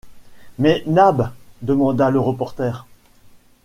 Mais Nab? demanda le reporter.